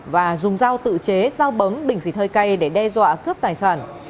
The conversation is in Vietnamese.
và dùng dao tự chế dao bấm đỉnh dịt hơi cay để đe dọa cướp tài sản